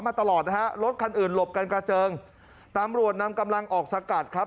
มาตลอดนะฮะรถคันอื่นหลบกันกระเจิงตำรวจนำกำลังออกสกัดครับ